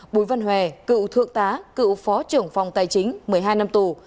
bùi văn hòe cựu thượng tá cựu phó trưởng phòng tài chính một mươi hai năm tù